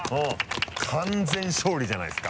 完全勝利じゃないですか。